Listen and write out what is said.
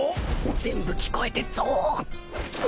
全部聞こえてっぞ！